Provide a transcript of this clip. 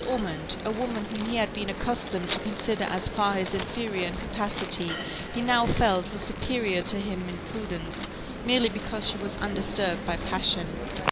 Ormond, a woman whom he had been accustomed to consider as far his inferior in capacity, he now felt was superior to him in prudence, merely because she was undisturbed by passion.